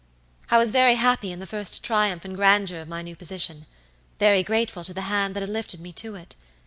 "I was very happy in the first triumph and grandeur of my new position, very grateful to the hand that had lifted me to it.